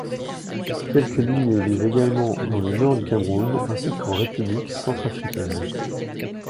Quelques milliers vivent également dans le nord du Cameroun ainsi qu'en République centrafricaine.